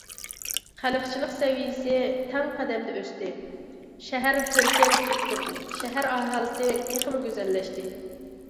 خەلقچىللىق سەۋىيەسى تەڭ قەدەمدە ئۆستى شەھەر كۆركەم تۈسكە كىردى، شەھەر ئاھالىسى تېخىمۇ گۈزەللەشتى.